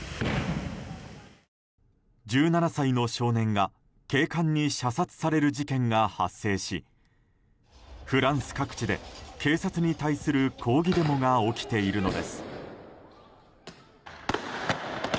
１７歳の少年が警官に射殺される事件が発生しフランス各地で警察に対する抗議デモが起きているのです。